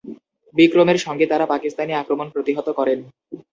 বিক্রমের সঙ্গে তারা পাকিস্তানি আক্রমণ প্রতিহত করেন।